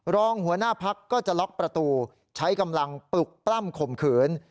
รองหัวหน้าพักก็จะล็อกประตูใช้กำลังปลุกปล้ำข่มขืน